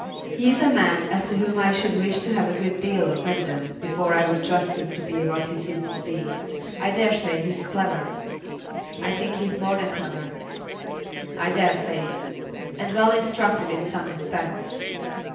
"He is a man as to whom I should wish to have a good deal of evidence before I would trust him to be what he seems to be. I dare say he's clever." "I think he's more than clever." "I dare say; and well instructed in some respects."